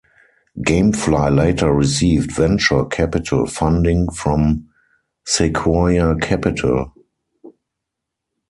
GameFly later received venture capital funding from Sequoia Capital.